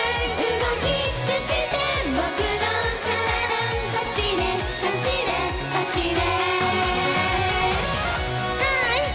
「動き出して僕の体走れ！走れ！走れ！」